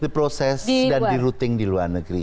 diproses dan di routing di luar negeri